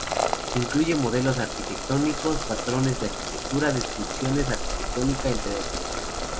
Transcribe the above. Incluye modelos arquitectónicos, patrones de arquitectura, descripciones arquitectónica, entre otros.